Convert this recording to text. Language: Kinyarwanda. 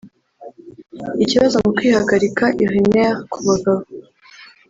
Ikibazo mu kwihagarika (uriner) ku bagabo